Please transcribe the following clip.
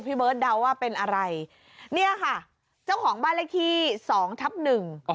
พี่เบิร์ตเดาว่าเป็นอะไรเนี่ยค่ะเจ้าของบ้านเลขที่สองทับหนึ่ง